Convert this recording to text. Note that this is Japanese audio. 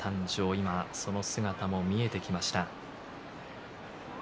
今、その姿も見えてきました。